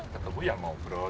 ketemu yang ngobrol